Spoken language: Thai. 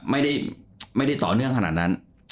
ไม่ได้ต่อเนื่องขนาดนั้น